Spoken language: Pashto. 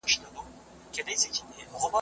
ته چي ورته ګران یې یادوي دي او تا پیژني